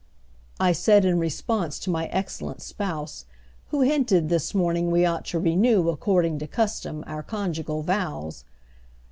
I said in response to my excellent spouse, Who hinted, this morning, we ought to renew According to custom, our conjugal vows.